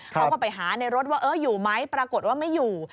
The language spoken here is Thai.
เขาก็ไปหาในรถว่าอยู่ไหมปรากฏว่าไม่อยู่